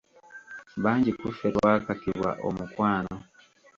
Bangi ku ffe twakakibwa omukwano.